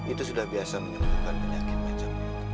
itu sudah biasa menyembuhkan penyakit macam itu